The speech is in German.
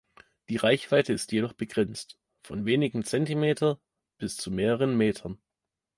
Die Reichweite ist jedoch begrenzt, von wenigen Zentimeter bis zu mehreren Metern.